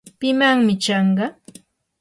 ¿pimanmi chanqa?